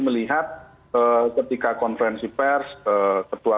melihat ketika konferensi pers ketua